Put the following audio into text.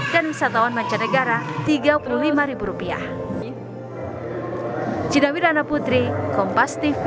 dan wisatawan mancanegara rp tiga puluh lima